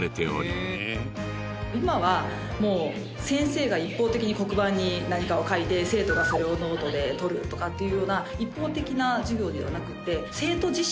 今はもう先生が一方的に黒板に何かを書いて生徒がそれをノートで取るとかっていうような一方的な授業ではなくって生徒自身が考える。